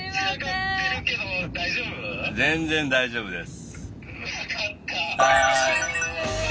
全然大丈夫です。